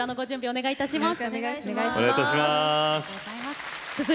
お願いいたします。